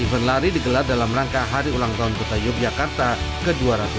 event lari digelar dalam rangka hari ulang tahun kota yogyakarta ke dua ratus dua puluh